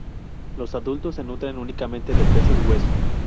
Los adultos se nutren únicamente de peces hueso.